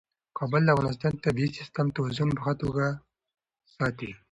کابل د افغانستان د طبعي سیسټم توازن په ښه توګه ساتي.